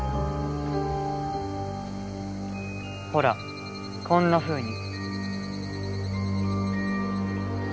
ほらこんなふうに。